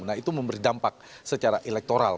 nah itu memberi dampak secara elektoral